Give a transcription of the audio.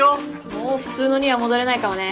もう普通のには戻れないかもね。